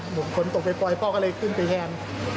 หมดคนตกไปปล่อยพอก็เลยขึ้นไปแหน่